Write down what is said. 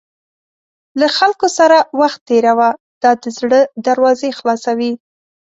له خلکو سره وخت تېروه، دا د زړه دروازې خلاصوي.